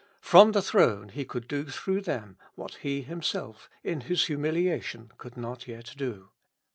From the throne He could do through them what He Himself in His humiliation could not yet do.